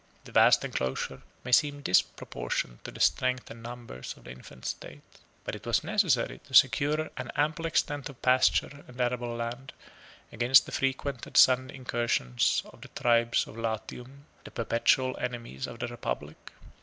40 The vast enclosure may seem disproportioned to the strength and numbers of the infant state. But it was necessary to secure an ample extent of pasture and arable land against the frequent and sudden incursions of the tribes of Latium, the perpetual enemies of the republic.